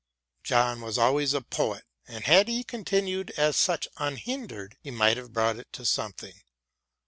John was always a poet, and had he continued as such unhindered he might have brought it to something.